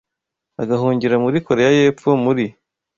agahungira muri Koreya y’Epfo muri